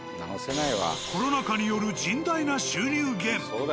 コロナ禍による甚大な収入減。